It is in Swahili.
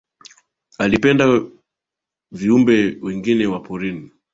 Alipenda viumbe wengine wa porini